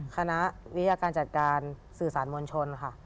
คณะวิทยาการจัดการสื่อสารมวลชนค่ะ